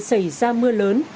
xảy ra mưa lớn